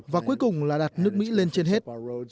và cuối cùng là đặt nước mỹ lên trên hết